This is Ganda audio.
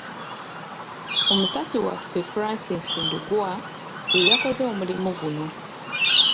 Omusasi waffe Francis Ndugwa yeyakoze omulimu guno.